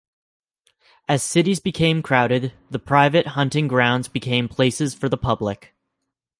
As cities became crowded, the private hunting grounds became places for the public.